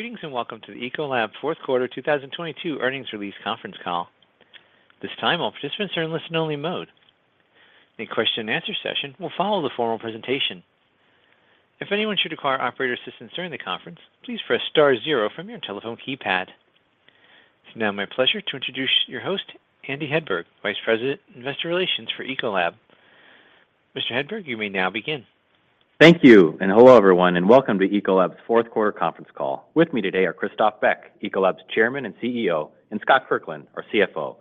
Greetings, welcome to the Ecolab Fourth Quarter 2022 Earnings Release Conference Call. This time, all participants are in listen-only mode. A question-and-answer session will follow the formal presentation. If anyone should require operator assistance during the conference, please press star zero from your telephone keypad. It's now my pleasure to introduce your host, Andy Hedberg, Vice President, Investor Relations for Ecolab. Mr. Hedberg, you may now begin. Thank you, hello, everyone, and welcome to Ecolab's fourth quarter conference call. With me today are Christophe Beck, Ecolab's Chairman and CEO, and Scott Kirkland, our CFO.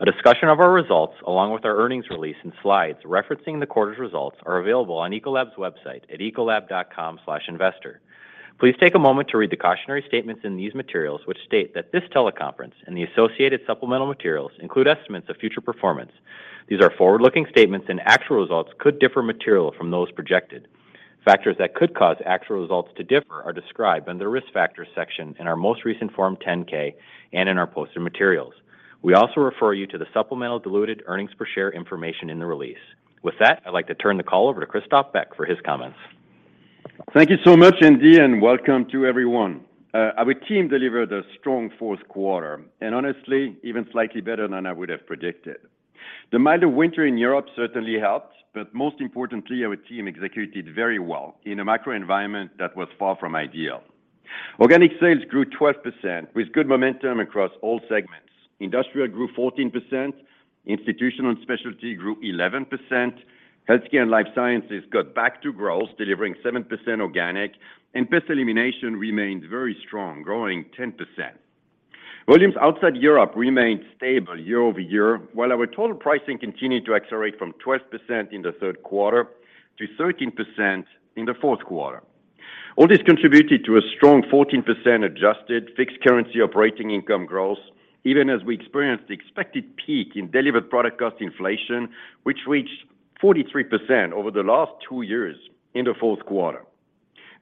A discussion of our results, along with our earnings release and slides referencing the quarter's results, are available on Ecolab's website at ecolab.com/investor. Please take a moment to read the cautionary statements in these materials which state that this teleconference and the associated supplemental materials include estimates of future performance. These are forward-looking statements, actual results could differ materially from those projected. Factors that could cause actual results to differ are described under Risk Factors section in our most recent Form 10-K and in our posted materials. We also refer you to the supplemental diluted earnings per share information in the release. With that, I'd like to turn the call over to Christophe Beck for his comments. Thank you so much, Andy, and welcome to everyone. Our team delivered a strong fourth quarter and honestly, even slightly better than I would have predicted. The mild winter in Europe certainly helped, but most importantly, our team executed very well in a macro environment that was far from ideal. Organic sales grew 12%, with good momentum across all segments. Industrial grew 14%, Institutional and Specialty grew 11%, Healthcare and Life Sciences got back to growth, delivering 7% organic, and Pest Elimination remained very strong, growing 10%. Volumes outside Europe remained stable year-over-year, while our total pricing continued to accelerate from 12% in the third quarter to 13% in the fourth quarter. All this contributed to a strong 14% adjusted fixed currency operating income growth, even as we experienced the expected peak in delivered product cost inflation, which reached 43% over the last two years in the fourth quarter.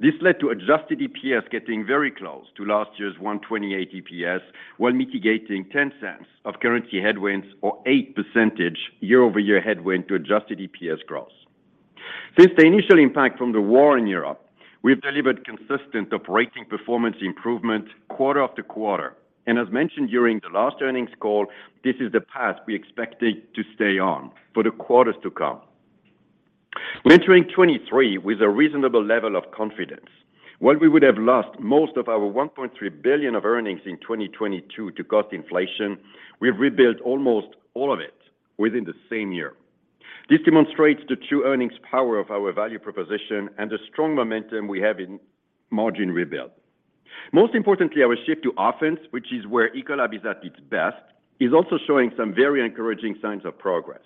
This led to adjusted EPS getting very close to last year's $1.28 EPS, while mitigating $0.10 of currency headwinds or 8% year-over-year headwind to adjusted EPS growth. Since the initial impact from the war in Europe, we've delivered consistent operating performance improvement quarter after quarter, as mentioned during the last earnings call, this is the path we expected to stay on for the quarters to come. We enter in 2023 with a reasonable level of confidence. While we would have lost most of our $1.3 billion of earnings in 2022 to cost inflation, we've rebuilt almost all of it within the same year. This demonstrates the true earnings power of our value proposition and the strong momentum we have in margin rebuild. Most importantly, our shift to offense, which is where Ecolab is at its best, is also showing some very encouraging signs of progress.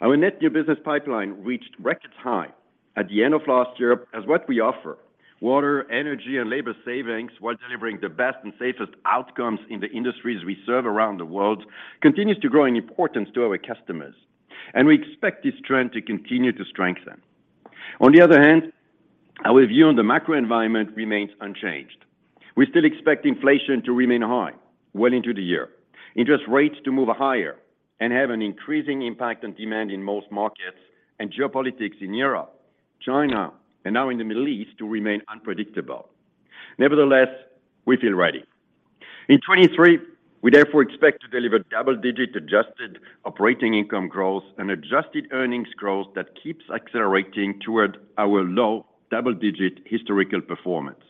Our net new business pipeline reached record high at the end of last year as what we offer, water, energy, and labor savings, while delivering the best and safest outcomes in the industries we serve around the world, continues to grow in importance to our customers, and we expect this trend to continue to strengthen. On the other hand, our view on the macro environment remains unchanged. We still expect inflation to remain high well into the year, interest rates to move higher and have an increasing impact on demand in most markets, and geopolitics in Europe, China, and now in the Middle East to remain unpredictable. Nevertheless, we feel ready. In 2023, we therefore expect to deliver double-digit adjusted operating income growth and adjusted earnings growth that keeps accelerating toward our low double-digit historical performance.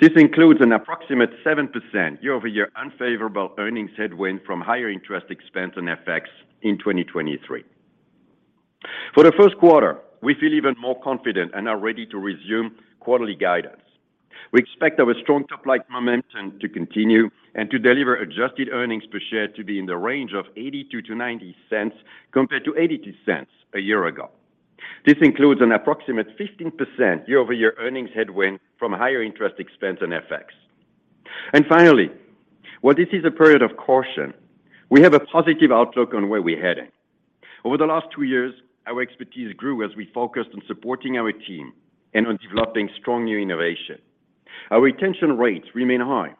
This includes an approximate 7% year-over-year unfavorable earnings headwind from higher interest expense and FX in 2023. For the first quarter, we feel even more confident and are ready to resume quarterly guidance. We expect our strong top-line momentum to continue and to deliver adjusted earnings per share to be in the range of $0.82-$0.90 compared to $0.82 a year ago. This includes an approximate 15% year-over-year earnings headwind from higher interest expense and FX. Finally, while this is a period of caution, we have a positive outlook on where we're heading. Over the last two years, our expertise grew as we focused on supporting our team and on developing strong new innovation. Our retention rates remain high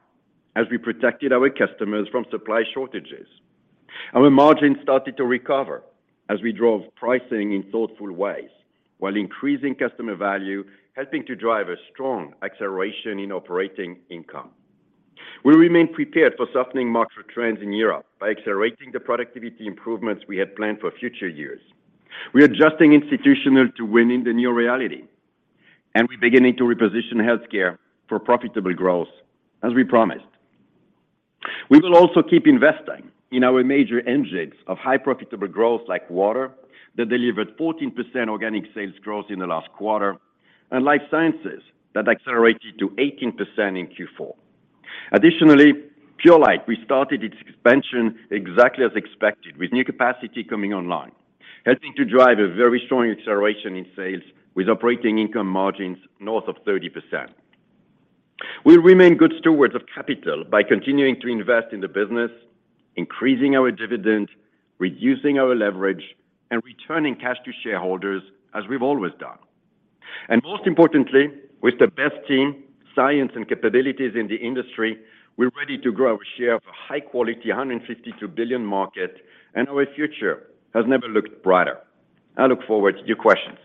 as we protected our customers from supply shortages. Our margins started to recover as we drove pricing in thoughtful ways while increasing customer value, helping to drive a strong acceleration in operating income. We remain prepared for softening macro trends in Europe by accelerating the productivity improvements we had planned for future years. We are adjusting Institutional to winning the new reality, and we're beginning to reposition Healthcare for profitable growth, as we promised. We will also keep investing in our major engines of high profitable growth like water that delivered 14% organic sales growth in the last quarter, and life sciences that accelerated to 18% in Q4. Purolite, we started its expansion exactly as expected with new capacity coming online, helping to drive a very strong acceleration in sales with operating income margins north of 30%. We remain good stewards of capital by continuing to invest in the business, increasing our dividend, reducing our leverage, and returning cash to shareholders as we've always done. Most importantly, with the best team, science, and capabilities in the industry, we're ready to grow our share of a high-quality $152 billion market. Our future has never looked brighter. I look forward to your questions.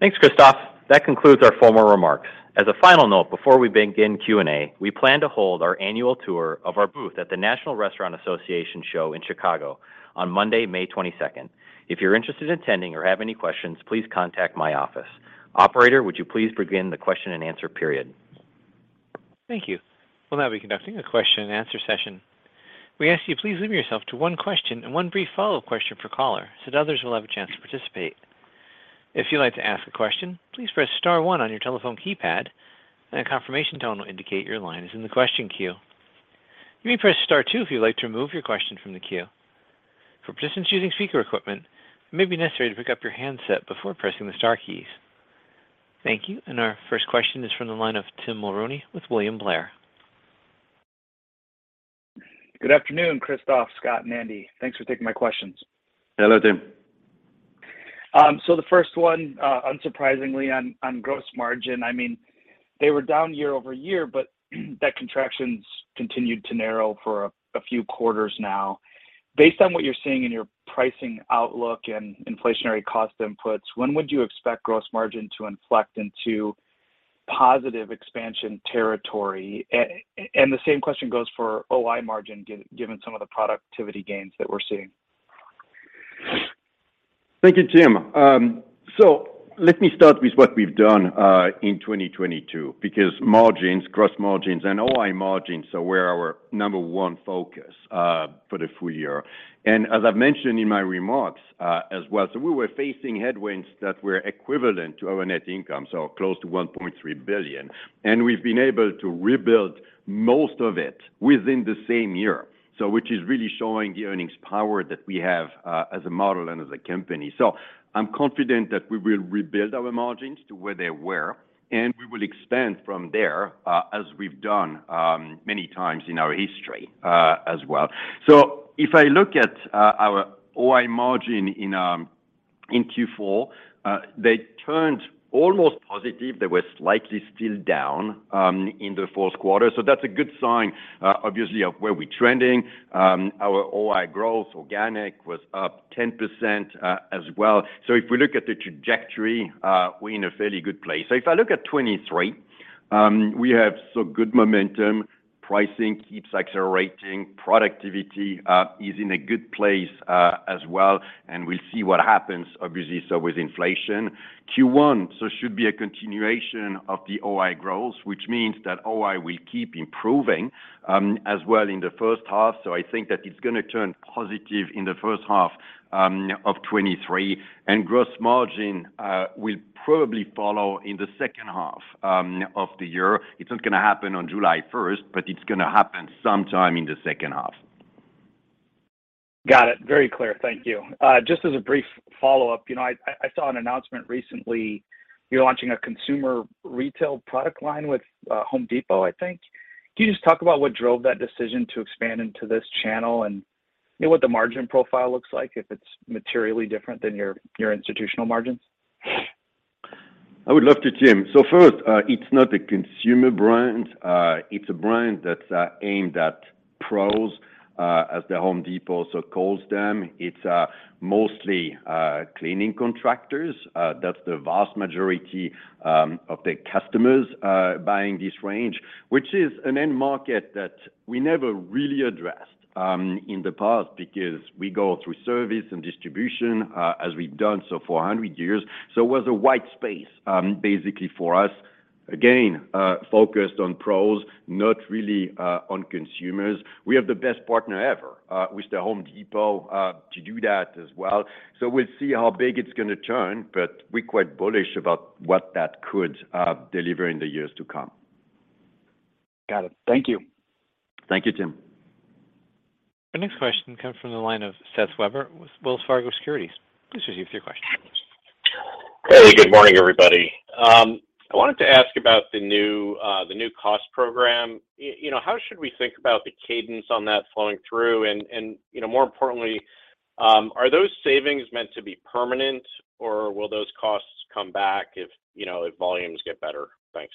Thanks, Christophe. That concludes our formal remarks. As a final note before we begin Q&A, we plan to hold our annual tour of our booth at the National Restaurant Association show in Chicago on Monday, May 22nd. If you're interested in attending or have any questions, please contact my office. Operator, would you please begin the question-and-answer period? Thank you. We'll now be conducting a question-and-answer session. We ask you please limit yourself to one question and one brief follow-up question per caller so that others will have a chance to participate. If you'd like to ask a question, please press star one on your telephone keypad, and a confirmation tone will indicate your line is in the question queue. You may press star two if you'd like to remove your question from the queue. For participants using speaker equipment, it may be necessary to pick up your handset before pressing the star keys. Thank you. Our first question is from the line of Tim Mulrooney with William Blair. Good afternoon, Christophe, Scott, and Andy. Thanks for taking my questions. Hello, Tim. The first one, unsurprisingly on gross margin, they were down year-over-year. That contraction's continued to narrow for a few quarters now. Based on what you're seeing in your pricing outlook and inflationary cost inputs, when would you expect gross margin to inflect into positive expansion territory? The same question goes for OI margin given some of the productivity gains that we're seeing. Thank you, Tim. Let me start with what we've done in 2022 because margins, gross margins, and OI margins are where our number one focus for the full year. As I've mentioned in my remarks, as well. We were facing headwinds that were equivalent to our net income, close to $1.3 billion. We've been able to rebuild most of it within the same year, which is really showing the earnings power that we have as a model and as a company. I'm confident that we will rebuild our margins to where they were, and we will expand from there, as we've done many times in our history, as well. If I look at our OI margin in Q4, they turned almost positive. They were slightly still down in the fourth quarter, so that's a good sign obviously of where we're trending. Our OI growth organic was up 10% as well. If we look at the trajectory, we're in a fairly good place. If I look at 2023, we have so good momentum, pricing keeps accelerating, productivity is in a good place as well, and we'll see what happens obviously, so with inflation. Q1, so should be a continuation of the OI growth, which means that OI will keep improving as well in the first half. I think that it's gonna turn positive in the first half of 2023. Gross margin will probably follow in the second half of the year. It's not gonna happen on July first, but it's gonna happen sometime in the second half. Got it. Very clear. Thank you. Just as a brief follow-up, you know, I saw an announcement recently you're launching a consumer retail product line with, The Home Depot, I think. Can you just talk about what drove that decision to expand into this channel and, you know, what the margin profile looks like if it's materially different than your institutional margins? I would love to, Tim. First, it's not a consumer brand. It's a brand that's aimed at pros, as The Home Depot so calls them. It's mostly cleaning contractors, that's the vast majority of the customers buying this range, which is an end market that we never really addressed in the past because we go through service and distribution as we've done so for 100 years. It was a wide space, basically for us, again, focused on pros, not really on consumers. We have the best partner ever with The Home Depot to do that as well. We'll see how big it's gonna turn, but we're quite bullish about what that could deliver in the years to come. Got it. Thank you. Thank you, Tim. Our next question comes from the line of Seth Weber with Wells Fargo Securities. Please proceed with your question. Hey, good morning, everybody. I wanted to ask about the new, the new cost program. You know, how should we think about the cadence on that flowing through and, you know, more importantly, are those savings meant to be permanent or will those costs come back if, you know, if volumes get better? Thanks.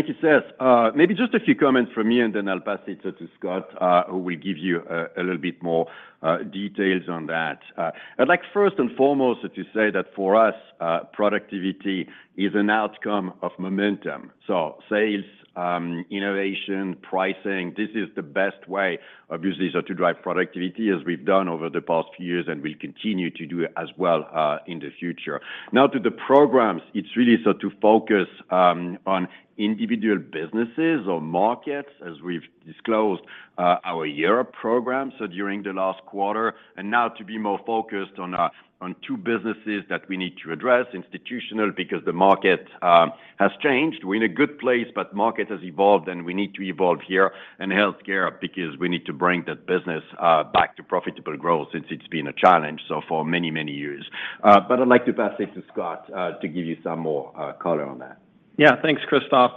Thank you, Seth. Maybe just a few comments from me and then I'll pass it to Scott, who will give you a little bit more details on that. I'd like first and foremost to say that for us, productivity is an outcome of momentum. Sales, innovation, pricing, this is the best way obviously, so to drive productivity as we've done over the past few years and we'll continue to do as well in the future. To the programs, it's really so to focus on individual businesses or markets as we've disclosed our Europe program during the last quarter, and now to be more focused on two businesses that we need to address, institutional, because the market has changed. We're in a good place, but market has evolved, and we need to evolve here and healthcare because we need to bring that business back to profitable growth since it's been a challenge, so for many, many years. I'd like to pass it to Scott to give you some more color on that. Yeah. Thanks, Christophe.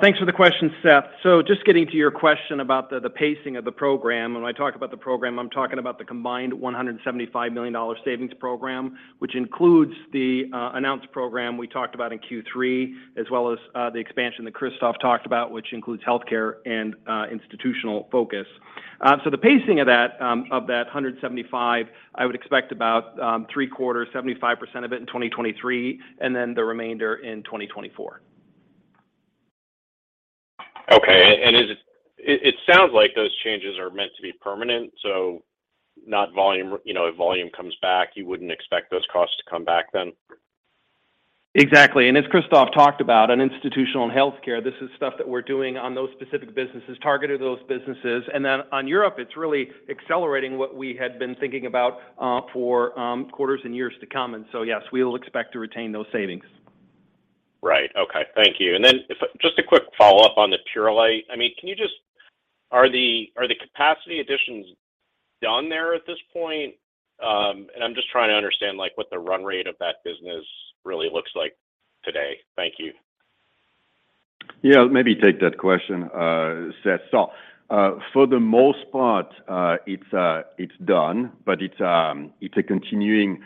Thanks for the question, Seth. Just getting to your question about the pacing of the program, when I talk about the program, I'm talking about the combined $175 million savings program, which includes the announced program we talked about in Q3, as well as the expansion that Christophe talked about, which includes healthcare and institutional focus. The pacing of that, of that 175, I would expect about, three-quarters, 75% of it in 2023, and then the remainder in 2024. Okay. It sounds like those changes are meant to be permanent, so not volume. You know, if volume comes back, you wouldn't expect those costs to come back then? Exactly. As Christophe talked about, on institutional and healthcare, this is stuff that we're doing on those specific businesses, targeted to those businesses. On Europe, it's really accelerating what we had been thinking about for quarters and years to come. Yes, we will expect to retain those savings. Right. Okay. Thank you. Then just a quick follow-up on the Purolite. I mean, are the capacity additions done there at this point? I'm just trying to understand, like, what the run rate of that business really looks like today. Thank you. Yeah. I'll maybe take that question, Seth. For the most part, it's done, but it's a continuing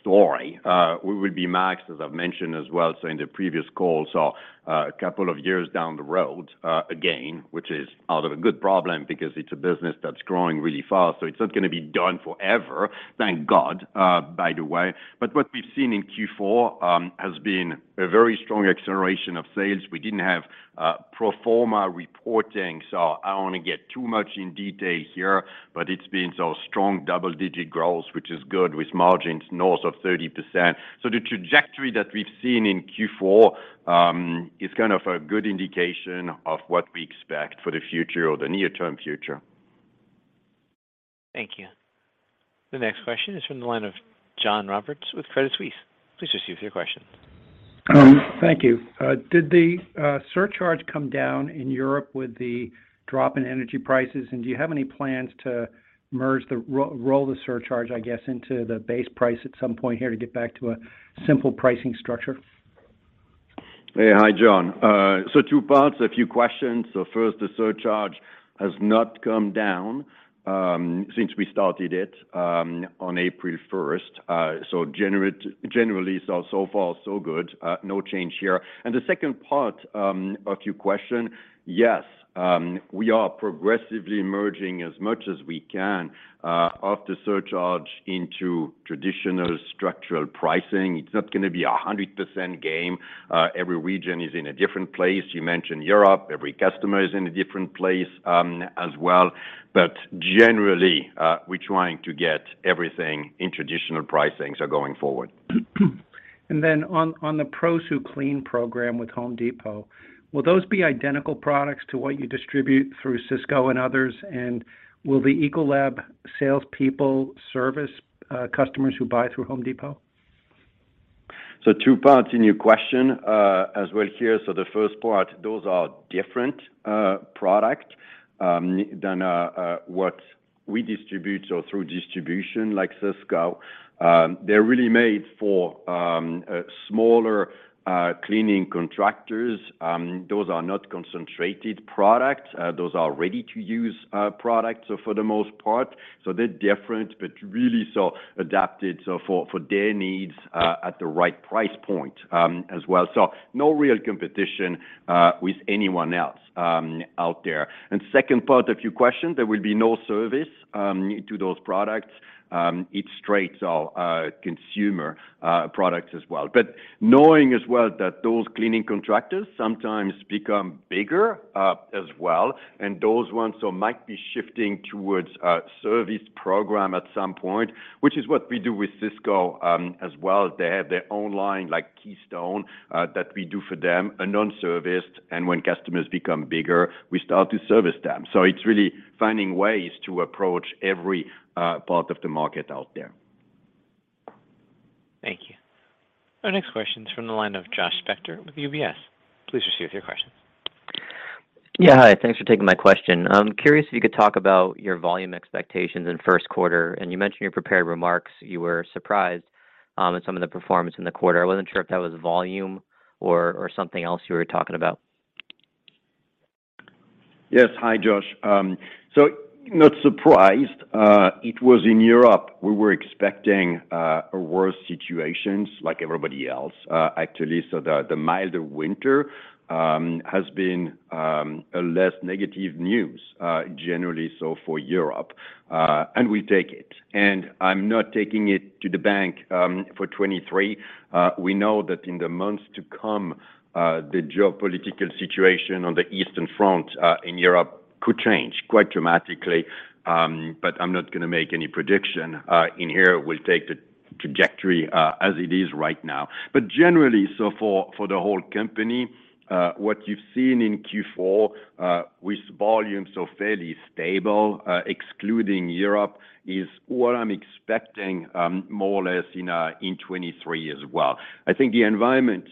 story. We will be maxed, as I've mentioned as well, in the previous call, two years down the road, again, which is out of a good problem because it's a business that's growing really fast. It's not gonna be done forever, thank God, by the way. What we've seen in Q4 has been a very strong acceleration of sales. We didn't have pro forma reporting, I won't get too much in detail here, it's been so strong double-digit growth, which is good with margins north of 30%. The trajectory that we've seen in Q4, is kind of a good indication of what we expect for the future or the near-term future. Thank you. The next question is from the line of John Roberts with Credit Suisse. Please proceed with your question. Thank you. Did the surcharge come down in Europe with the drop in energy prices? Do you have any plans to merge the roll the surcharge, I guess, into the base price at some point here to get back to a simple pricing structure? Hi, John. Two parts, a few questions. First, the surcharge has not come down since we started it on April first. generally, so far so good. No change here. The second part of your question, yes, we are progressively merging as much as we can of the surcharge into traditional structural pricing. It's not gonna be 100% game. Every region is in a different place. You mentioned Europe, every customer is in a different place as well. Generally, we're trying to get everything in traditional pricing, going forward. Then on the Pro So Clean program with The Home Depot, will those be identical products to what you distribute through Sysco and others? Will the Ecolab salespeople service customers who buy through The Home Depot? Two parts in your question as well here. The first part, those are different product than what we distribute or through distribution like Sysco. They're really made for smaller cleaning contractors. Those are not concentrated products. Those are ready-to-use products for the most part. They're different, but really so adapted for their needs at the right price point as well. No real competition with anyone else out there. Second part of your question, there will be no service to those products. It's straight, so consumer products as well. Knowing as well that those cleaning contractors sometimes become bigger, as well, and those ones so might be shifting towards a service program at some point, which is what we do with Sysco, as well. They have their own line, like Keystone, that we do for them, a non-serviced, and when customers become bigger, we start to service them. It's really finding ways to approach every part of the market out there. Thank you. Our next question is from the line of Josh Spector with UBS. Please proceed with your question. Yeah. Hi. Thanks for taking my question. I'm curious if you could talk about your volume expectations in first quarter. You mentioned in your prepared remarks you were surprised at some of the performance in the quarter. I wasn't sure if that was volume or something else you were talking about. Yes. Hi, Josh. Not surprised. It was in Europe, we were expecting a worse situation like everybody else, actually. The milder winter has been a less negative news generally for Europe, and we take it. I'm not taking it to the bank for 23. We know that in the months to come, the geopolitical situation on the eastern front in Europe could change quite dramatically, but I'm not gonna make any prediction in here. We'll take the trajectory as it is right now. Generally, for the whole company, what you've seen in Q4, with volumes so fairly stable, excluding Europe, is what I'm expecting more or less in 23 as well. I think the environment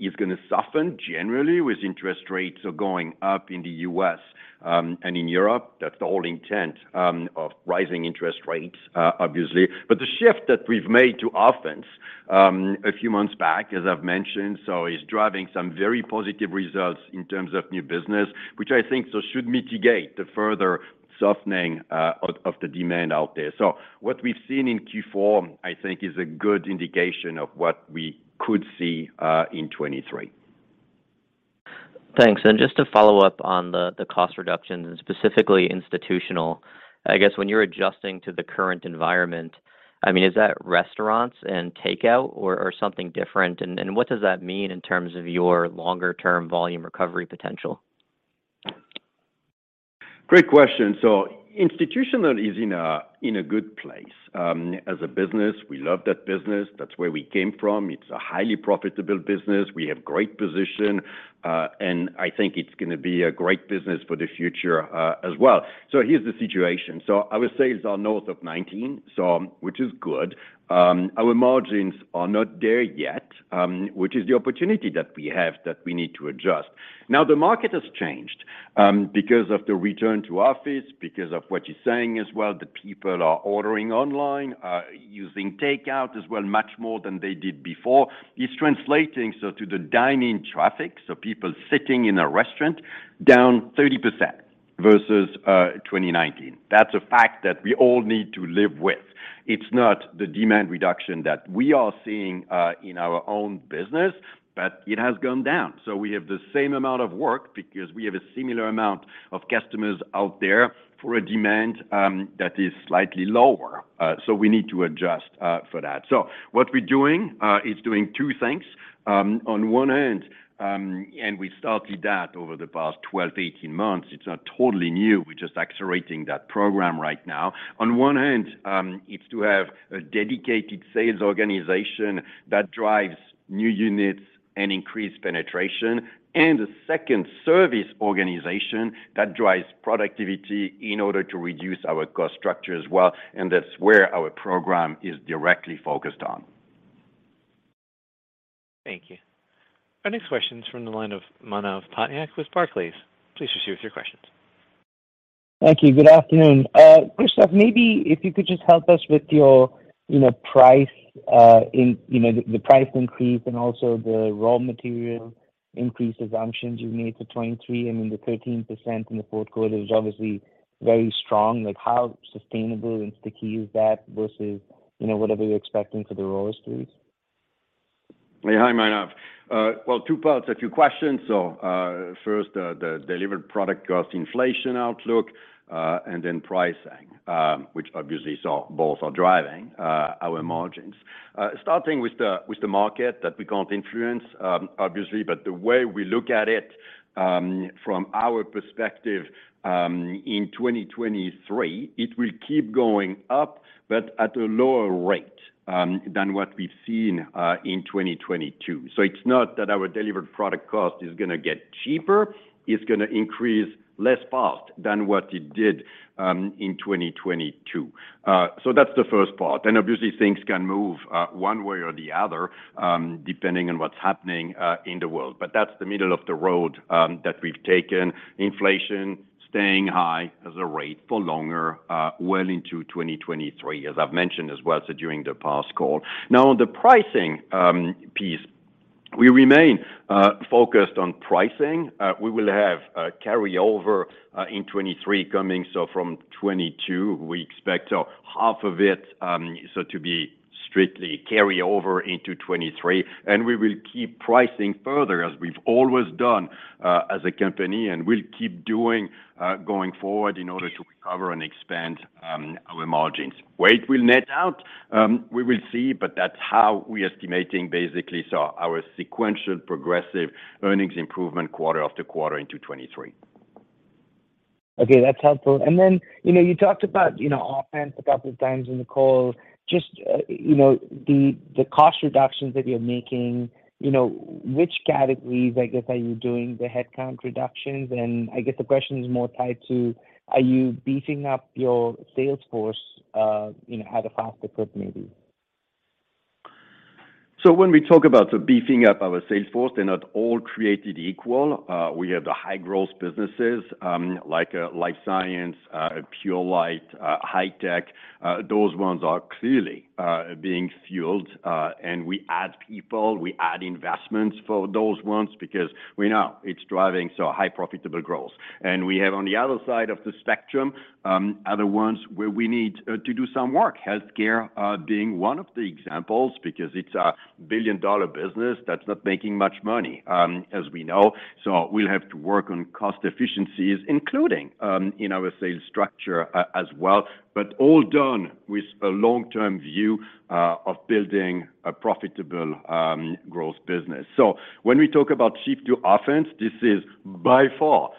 is gonna soften generally with interest rates going up in the U.S. and in Europe. That's the whole intent of rising interest rates, obviously. The shift that we've made to offense a few months back, as I've mentioned, so is driving some very positive results in terms of new business, which I think so should mitigate the further softening of the demand out there. What we've seen in Q4, I think, is a good indication of what we could see in 23. Thanks. Just to follow up on the cost reductions and specifically institutional, I guess when you're adjusting to the current environment, I mean, is that restaurants and takeout or something different? What does that mean in terms of your longer term volume recovery potential? Great question. Institutional is in a good place. As a business, we love that business. That's where we came from. It's a highly profitable business. We have great position, and I think it's gonna be a great business for the future as well. Here's the situation. Our sales are north of 19, which is good. Our margins are not there yet, which is the opportunity that we have that we need to adjust. Now, the market has changed because of the return to office, because of what you're saying as well, the people are ordering online, are using takeout as well, much more than they did before. It's translating to the dine-in traffic, people sitting in a restaurant down 30% versus 2019. That's a fact that we all need to live with. It's not the demand reduction that we are seeing in our own business, but it has gone down. We have the same amount of work because we have a similar amount of customers out there for a demand that is slightly lower, so we need to adjust for that. What we're doing is doing two things. On one hand, and we started that over the past 12, 18 months. It's not totally new. We're just accelerating that program right now. On one hand, it's to have a dedicated sales organization that drives new units and increased penetration, and a second service organization that drives productivity in order to reduce our cost structure as well, and that's where our program is directly focused on. Thank you. Our next question is from the line of Manav Patnaik with Barclays. Please proceed with your questions. Thank you. Good afternoon. Christophe, maybe if you could just help us with your, you know, price, in, you know, the price increase and also the raw material increase assumptions you've made to 2023. I mean, the 13% in the fourth quarter is obviously very strong. Like, how sustainable and sticky is that versus, you know, whatever you're expecting for the raw materials? Hi, Manav, two parts, a few questions. First, the delivered product cost inflation outlook, and then pricing, which obviously both are driving our margins. Starting with the market that we can't influence, obviously, but the way we look at it, from our perspective, in 2023, it will keep going up, but at a lower rate than what we've seen in 2022. It's not that our delivered product cost is gonna get cheaper. It's gonna increase less fast than what it did in 2022. That's the first part. Obviously, things can move one way or the other, depending on what's happening in the world. That's the middle of the road that we've taken. Inflation staying high as a rate for longer, well into 2023, as I've mentioned as well, during the past call. On the pricing piece, we remain focused on pricing. We will have a carryover in 2023 coming from 2022, we expect half of it to be strictly carryover into 2023. We will keep pricing further as we've always done as a company, and we'll keep doing going forward in order to recover and expand our margins. Where it will net out, we will see, that's how we're estimating basically. Our sequential progressive earnings improvement quarter after quarter into 2023. Okay, that's helpful. You know, you talked about, you know, offense a couple of times in the call. Just, you know, the cost reductions that you're making, you know, which categories, I guess, are you doing the headcount reductions? I guess the question is more tied to, are you beefing up your sales force, you know, at a faster clip maybe? When we talk about beefing up our sales force, they're not all created equal. We have the high-growth businesses, like Life Science, Pure Light, High Tech. Those ones are clearly being fueled. We add people, we add investments for those ones because we know it's driving so high profitable growth. We have on the other side of the spectrum, other ones where we need to do some work. Healthcare, being one of the examples because it's a billion-dollar business that's not making much money, as we know. We'll have to work on cost efficiencies, including in our sales structure as well, but all done with a long-term view of building a profitable growth business. When we talk about shift to offense, this is by far,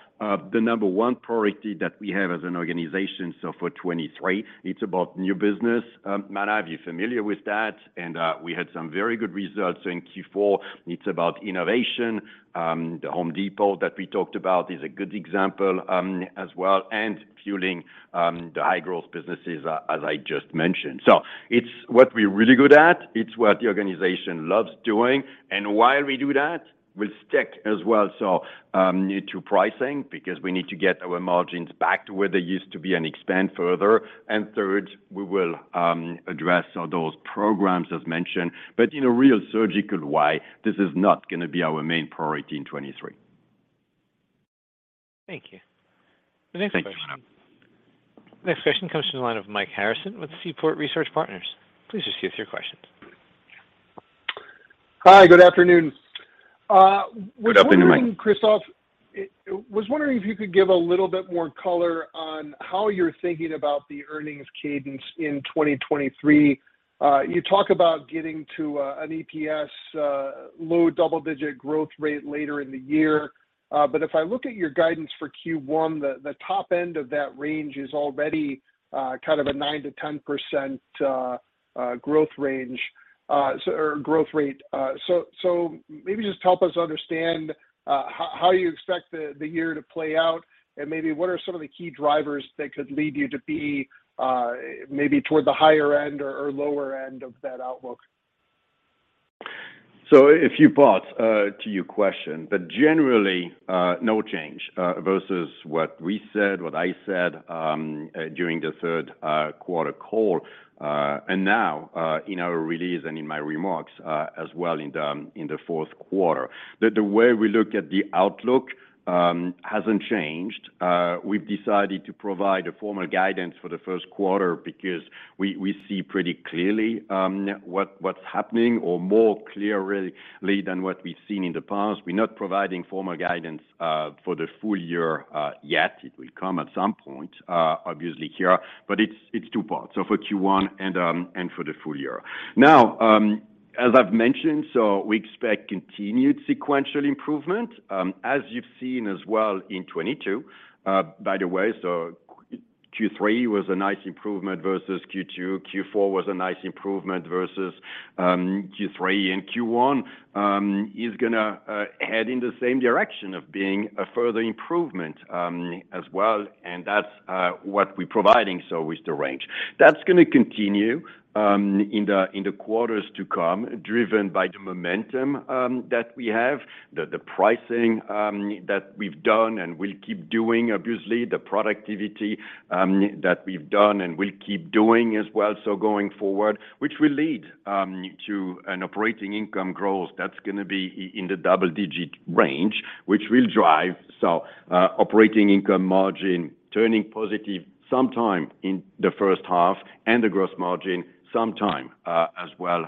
the number one priority that we have as an organization. For 23, it's about new business. Manav, you're familiar with that, and we had some very good results in Q4. It's about innovation. The Home Depot that we talked about is a good example, as well, and fueling the high-growth businesses as I just mentioned. It's what we're really good at, it's what the organization loves doing, and while we do that, we'll stick as well. New to pricing because we need to get our margins back to where they used to be and expand further. Third, we will address those programs as mentioned, but in a real surgical way, this is not gonna be our main priority in 23. Thank you. The next question. Thanks, John. next question comes from the line of Mike Harrison with Seaport Research Partners. Please just give us your questions. Hi, good afternoon. Good afternoon, Mike... was wondering, Christophe, was wondering if you could give a little bit more color on how you're thinking about the earnings cadence in 2023. You talk about getting to an EPS low double-digit growth rate later in the year. But if I look at your guidance for Q1, the top end of that range is already kind of a 9%-10% growth rate. So maybe just help us understand how you expect the year to play out, and maybe what are some of the key drivers that could lead you to be maybe toward the higher end or lower end of that outlook? A few parts to your question, but generally, no change versus what we said, what I said during the third quarter call. And now, in our release and in my remarks, as well in the fourth quarter. The way we look at the outlook hasn't changed. We've decided to provide a formal guidance for the first quarter because we see pretty clearly what's happening, or more clearly than what we've seen in the past. We're not providing formal guidance for the full year yet. It will come at some point obviously here. It's two parts for Q1 and for the full year. Now, as I've mentioned, we expect continued sequential improvement as you've seen as well in 22. By the way, so Q3 was a nice improvement versus Q2. Q4 was a nice improvement versus Q3. Q1 is gonna head in the same direction of being a further improvement as well, and that's what we're providing, so with the range. That's gonna continue in the quarters to come, driven by the momentum that we have. The pricing that we've done and will keep doing, obviously. The productivity that we've done and will keep doing as well, so going forward, which will lead to an operating income growth that's gonna be in the double digit range, which will drive, so, operating income margin turning positive sometime in the first half, and the gross margin sometime as well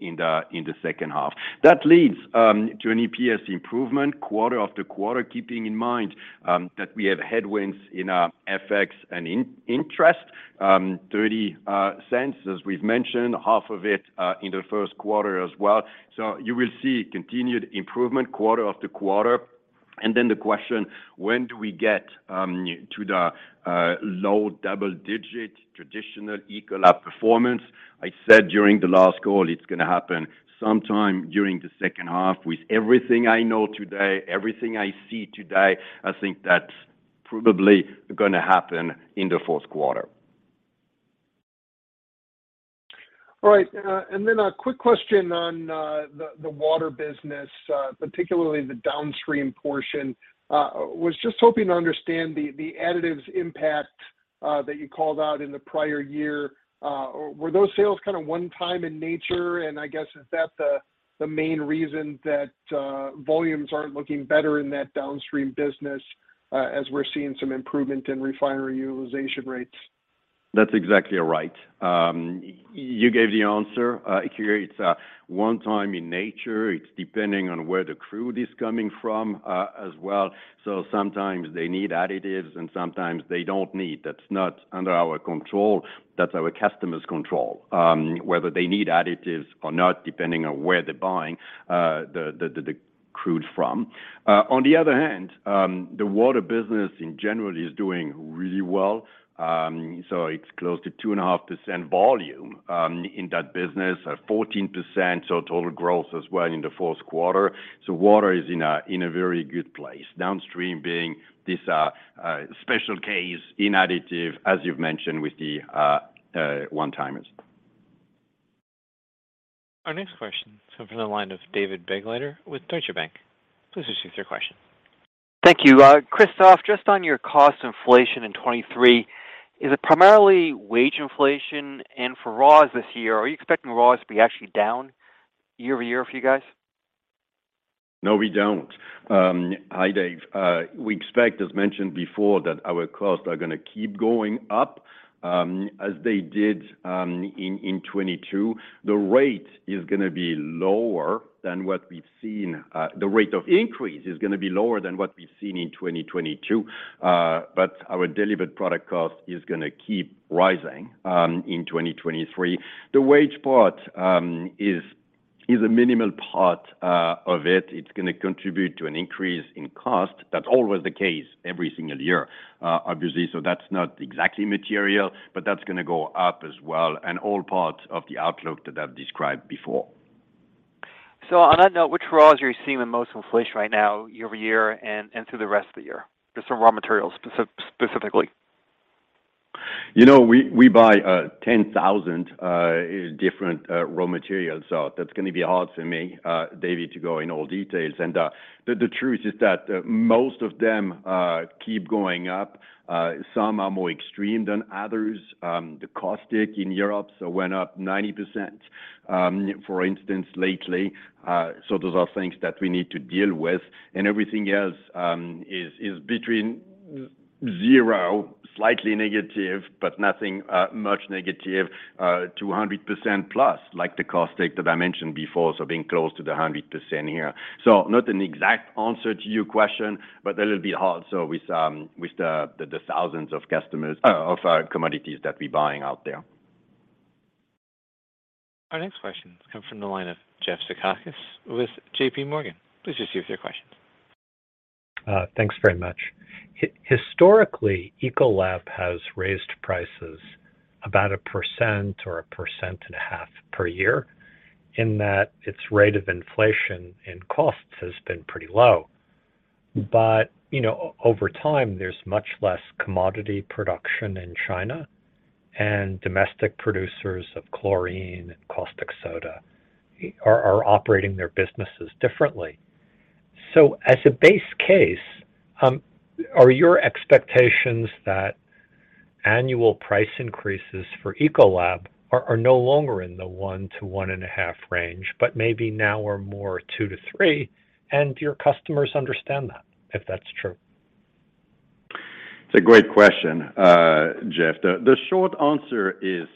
in the second half. That leads to an EPS improvement quarter after quarter, keeping in mind that we have headwinds in FX and in-interest, $0.30, as we've mentioned, half of it in the first quarter as well. You will see continued improvement quarter after quarter. The question, when do we get to the low double digit traditional Ecolab performance? I said during the last call it's gonna happen sometime during the second half. With everything I know today, everything I see today, I think that's probably gonna happen in the fourth quarter. All right. A quick question on the water business, particularly the downstream portion. Was just hoping to understand the additives impact that you called out in the prior year. Were those sales kind of one time in nature? I guess, is that the main reason that volumes aren't looking better in that downstream business, as we're seeing some improvement in refinery utilization rates? That's exactly right. You gave the answer. Here it's one time in nature. It's depending on where the crude is coming from, as well. Sometimes they need additives and sometimes they don't need. That's not under our control. That's our customer's control, whether they need additives or not, depending on where they're buying the crude from. On the other hand, the water business in general is doing really well. It's close to 2.5% volume in that business. 14% sort of total growth as well in the fourth quarter. Water is in a very good place. Downstream being this special case in additive, as you've mentioned, with the one-timers. Our next question comes from the line of David Begleiter with Deutsche Bank. Please proceed with your question. Thank you. Christophe, just on your cost inflation in 2023, is it primarily wage inflation? For raws this year, are you expecting raws to be actually down year-over-year for you guys? No, we don't. Hi, Dave. We expect, as mentioned before, that our costs are gonna keep going up, as they did in 2022. The rate is gonna be lower than what we've seen. The rate of increase is gonna be lower than what we've seen in 2022. Our delivered product cost is gonna keep rising in 2023. The wage part is a minimal part of it. It's gonna contribute to an increase in cost. That's always the case every single year, obviously, so that's not exactly material, but that's gonna go up as well, and all part of the outlook that I've described before. On that note, which raws are you seeing the most inflation right now year-over-year and through the rest of the year? Just some raw materials specifically. You know, we buy 10,000 different raw materials, so that's gonna be hard for me, Davey, to go in all details. The truth is that most of them keep going up. Some are more extreme than others. The caustic in Europe so went up 90%, for instance, lately. Those are things that we need to deal with. Everything else is between zero, slightly negative, but nothing much negative, to 100% plus, like the caustic that I mentioned before, so being close to the 100% here. Not an exact answer to your question, but that it'll be hard. With the thousands of commodities that we buying out there. Our next question comes from the line of Jeff Zekauskas with JP Morgan. Please just give us your question. Thanks very much. Historically, Ecolab has raised prices about 1% or 1.5% per year in that its rate of inflation in costs has been pretty low. You know, over time, there's much less commodity production in China, and domestic producers of chlorine and caustic soda are operating their businesses differently. As a base case, are your expectations that annual price increases for Ecolab are no longer in the 1%-1.5% range, but maybe now are more 2%-3%, and your customers understand that, if that's true? It's a great question, Jeff. The short answer is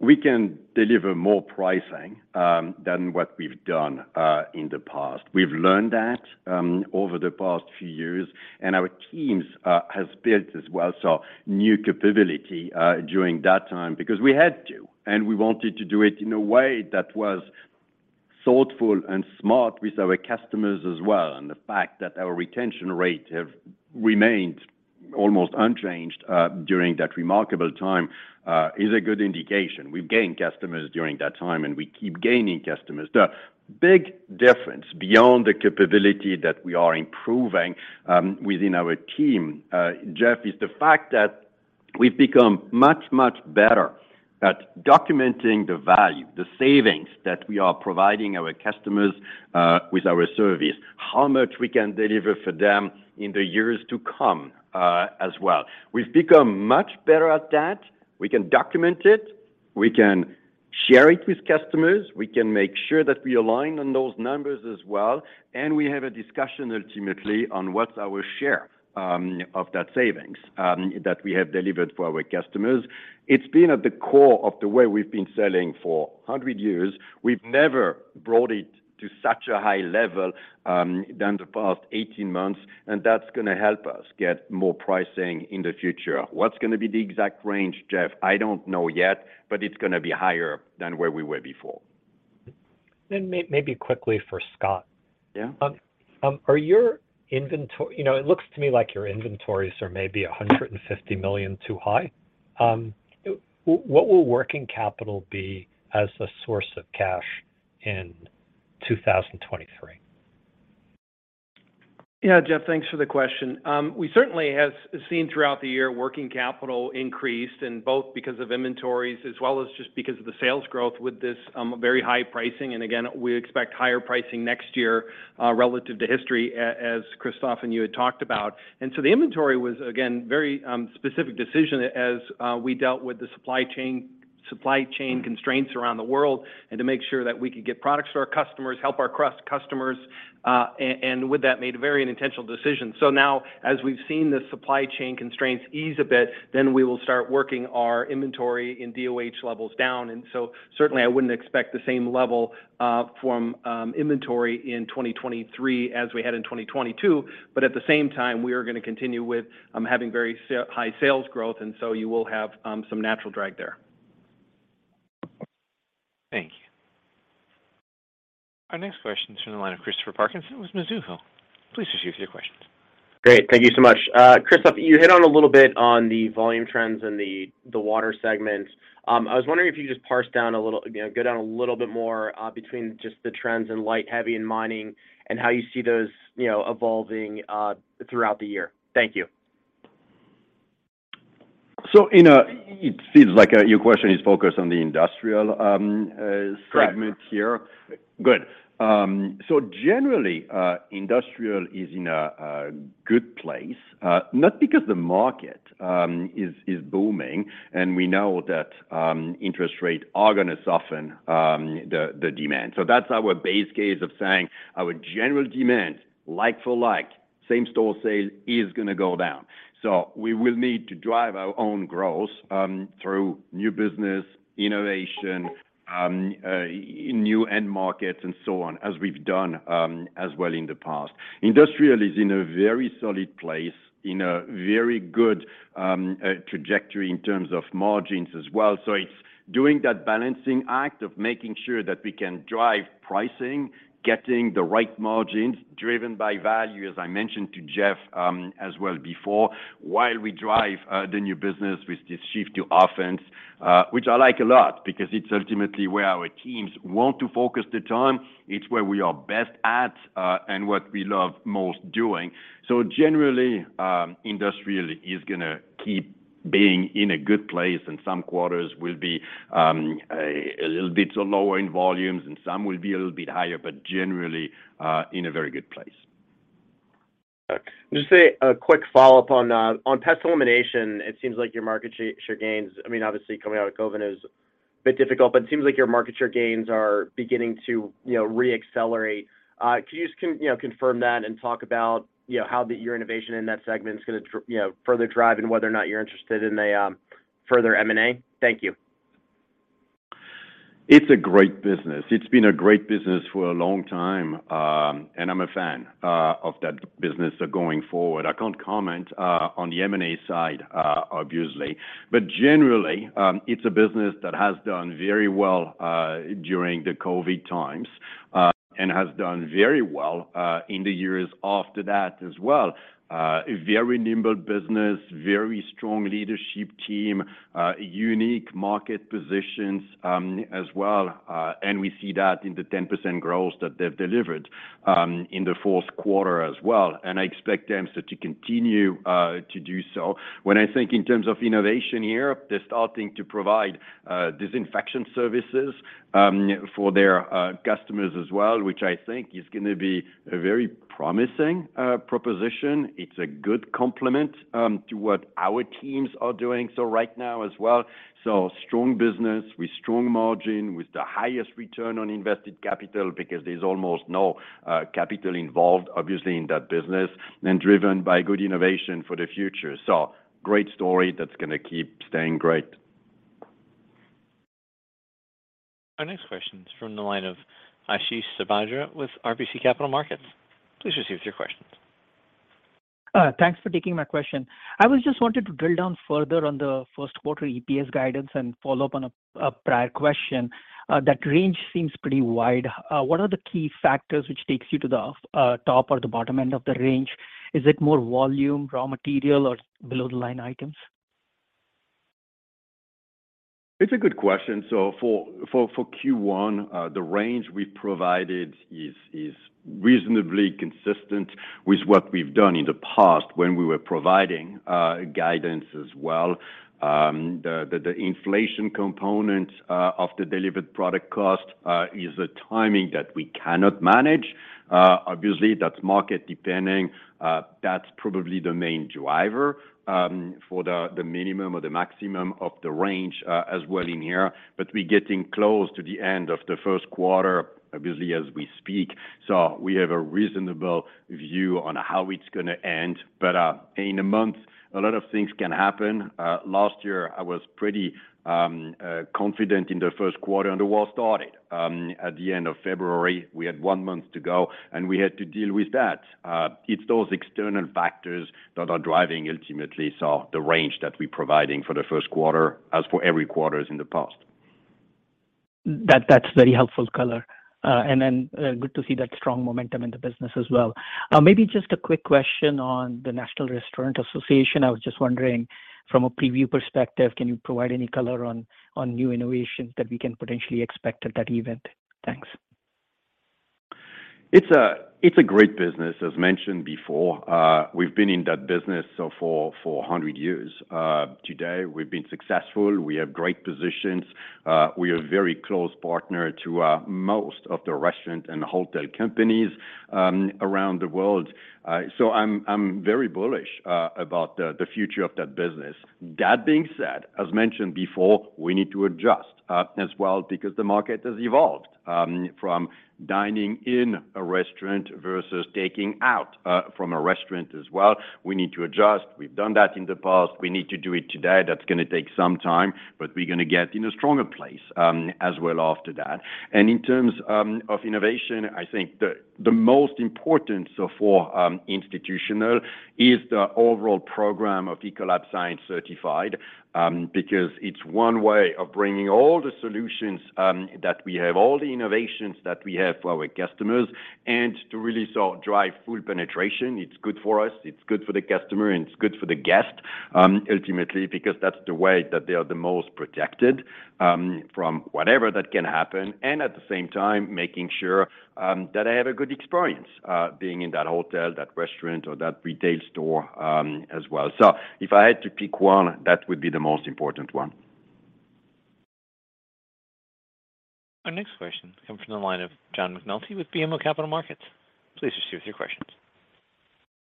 we can deliver more pricing than what we've done in the past. We've learned that over the past few years, and our teams has built as well, so new capability during that time, because we had to, and we wanted to do it in a way that was thoughtful and smart with our customers as well. The fact that our retention rate have remained almost unchanged during that remarkable time, is a good indication. We've gained customers during that time, and we keep gaining customers. The big difference beyond the capability that we are improving within our team, Jeff, is the fact that we've become much better at documenting the value, the savings that we are providing our customers with our service, how much we can deliver for them in the years to come as well. We've become much better at that. We can document it, we can share it with customers, we can make sure that we align on those numbers as well, and we have a discussion ultimately on what's our share of that savings that we have delivered for our customers. It's been at the core of the way we've been selling for 100 years. We've never brought it to such a high level than the past 18 months, that's gonna help us get more pricing in the future. What's gonna be the exact range, Jeff? I don't know yet, but it's gonna be higher than where we were before. Maybe quickly for Scott. Yeah. You know, it looks to me like your inventories are maybe $150 million too high. What will working capital be as a source of cash in 2023? Yeah, Jeff, thanks for the question. We certainly have seen throughout the year working capital increased, both because of inventories as well as just because of the sales growth with this very high pricing. Again, we expect higher pricing next year, relative to history as Christophe and you had talked about. The inventory was, again, very specific decision as we dealt with the supply chain constraints around the world and to make sure that we could get products to our customers, help our customers, and with that, made a very intentional decision. Now as we've seen the supply chain constraints ease a bit, we will start working our inventory and DOH levels down. Certainly I wouldn't expect the same level from inventory in 2023 as we had in 2022. At the same time, we are gonna continue with, having very high sales growth, and so you will have, some natural drag there. Thank you. Our next question's from the line of Christopher Parkinson with Mizuho. Please just give us your question. Great. Thank you so much. Christophe, you hit on a little bit on the volume trends in the water segment. I was wondering if you could just parse down a little, you know, go down a little bit more, between just the trends in light, heavy, and mining and how you see those, you know, evolving, throughout the year. Thank you. It seems like your question is focused on the industrial segment here. Correct. Good. Generally, industrial is in a good place, not because the market is booming, and we know that interest rate are gonna soften the demand. That's our base case of saying our general demand, like for like, same store sales is gonna go down. We will need to drive our own growth, through new business, innovation, new end markets, and so on, as we've done as well in the past. Industrial is in a very solid place, in a very good trajectory in terms of margins as well. It's doing that balancing act of making sure that we can drive pricing, getting the right margins, driven by value, as I mentioned to Jeff as well before, while we drive the new business with this shift to offense, which I like a lot because it's ultimately where our teams want to focus the time. It's where we are best at, and what we love most doing. Generally, industrial is gonna keep being in a good place. Some quarters will be a little bit lower in volumes and some will be a little bit higher. Generally, in a very good place. Just a quick follow-up on pest elimination. It seems like your market share gains, I mean, obviously coming out of COVID is a bit difficult, but it seems like your market share gains are beginning to, you know, re-accelerate. Can you just you know, confirm that and talk about, you know, how your innovation in that segment is gonna you know, further drive and whether or not you're interested in a further M&A? Thank you. It's a great business. It's been a great business for a long time. I'm a fan of that business going forward. I can't comment on the M&A side, obviously. Generally, it's a business that has done very well during the COVID times and has done very well in the years after that as well. Very nimble business, very strong leadership team, unique market positions as well. We see that in the 10% growth that they've delivered in the fourth quarter as well. I expect them, so to continue to do so. When I think in terms of innovation here, they're starting to provide disinfection services for their customers as well, which I think is gonna be a very promising proposition. It's a good complement to what our teams are doing right now as well. Strong business with strong margin, with the highest return on invested capital because there's almost no capital involved, obviously, in that business, and driven by good innovation for the future. Great story that's gonna keep staying great. Our next question is from the line of Ashish Sabadra with RBC Capital Markets. Please proceed with your questions. Thanks for taking my question. I just wanted to drill down further on the first quarter EPS guidance and follow up on a prior question. That range seems pretty wide. What are the key factors which takes you to the top or the bottom end of the range? Is it more volume, raw material, or below-the-line items? It's a good question. For Q1, the range we provided is reasonably consistent with what we've done in the past when we were providing guidance as well. The inflation component of the delivered product cost is a timing that we cannot manage. Obviously, that's market depending. That's probably the main driver for the minimum or the maximum of the range as well in here. We're getting close to the end of the first quarter, obviously, as we speak. We have a reasonable view on how it's going to end. In a month, a lot of things can happen. Last year, I was pretty confident in the first quarter, and the war started at the end of February. We had one month to go. We had to deal with that. It's those external factors that are driving ultimately. The range that we're providing for the first quarter as for every quarters in the past. That's very helpful color. Good to see that strong momentum in the business as well. Maybe just a quick question on the National Restaurant Association. I was just wondering from a preview perspective, can you provide any color on new innovations that we can potentially expect at that event? Thanks. It's a, it's a great business, as mentioned before. We've been in that business for 100 years today. We've been successful. We have great positions. We are very close partner to most of the restaurant and hotel companies around the world. I'm very bullish about the future of that business. That being said, as mentioned before, we need to adjust as well because the market has evolved from dining in a restaurant versus taking out from a restaurant as well. We need to adjust. We've done that in the past. We need to do it today. That's gonna take some time, but we're gonna get in a stronger place as well after that. In terms of innovation, I think the most important, so for institutional, is the overall program of Ecolab Science Certified, because it's one way of bringing all the solutions that we have, all the innovations that we have for our customers and to really drive full penetration. It's good for us, it's good for the customer, and it's good for the guest, ultimately, because that's the way that they are the most protected, from whatever that can happen, and at the same time, making sure that I have a good experience, being in that hotel, that restaurant or that retail store, as well. If I had to pick one, that would be the most important one. Our next question comes from the line of John McNulty with BMO Capital Markets. Please proceed with your questions.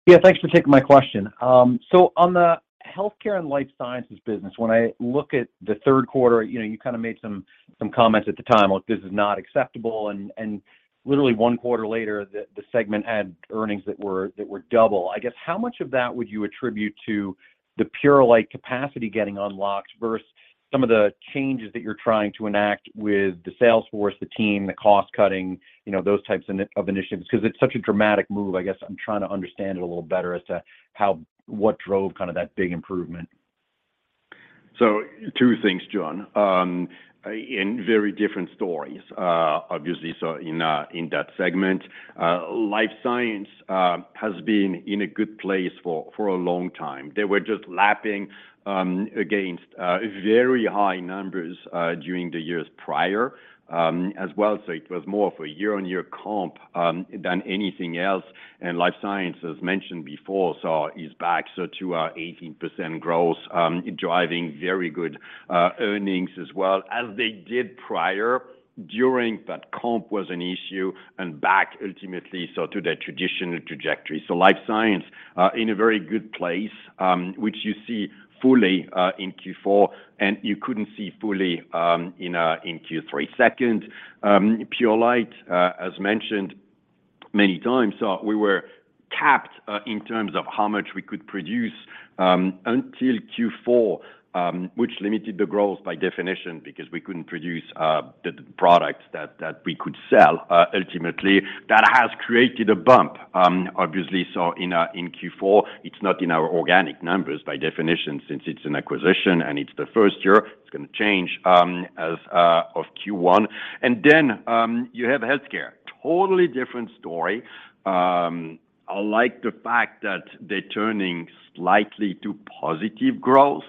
Yeah, thanks for taking my question. On the healthcare and life sciences business, when I look at the third quarter, you know, you kinda made some comments at the time, like this is not acceptable, and literally one quarter later, the segment had earnings that were double. I guess, how much of that would you attribute to the Purolite capacity getting unlocked versus some of the changes that you're trying to enact with the sales force, the team, the cost-cutting, you know, those types of initiatives? 'Cause it's such a dramatic move. I guess I'm trying to understand it a little better as to what drove kinda that big improvement. Two things, John, and very different stories, obviously, in that segment. life science has been in a good place for a long time. They were just lapping against very high numbers during the years prior as well. It was more of a year-on-year comp than anything else. Life science, as mentioned before, so is back, so to our 18% growth driving very good earnings as well as they did prior during that comp was an issue and back ultimately, so to the traditional trajectory. Life science in a very good place, which you see fully in Q4, and you couldn't see fully in Q3. Second. Purolite. As mentioned. Many times. We were capped in terms of how much we could produce until Q4, which limited the growth by definition because we couldn't produce the products that we could sell. Ultimately, that has created a bump, obviously, so in Q4, it's not in our organic numbers by definition since it's an acquisition and it's the first year. It's gonna change as of Q1. You have healthcare. Totally different story. I like the fact that they're turning slightly to positive growth,